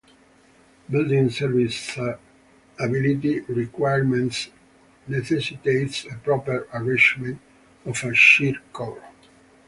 Building serviceability requirements necessitates a proper arrangement of a shear core.